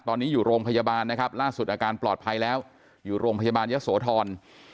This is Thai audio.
ตอนนี้อยู่โรงพยาบาลนะครับล่าสุดอาการปลอดภัยแล้วอยู่โรงพยาบาลยะโสธร